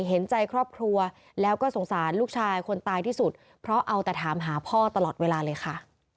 เห็นใจครอบครัวแล้วก็สงสารลูกชายคนตายที่สุดเพราะเอาแต่ถามหาพ่อตลอดเวลาเลยค่ะ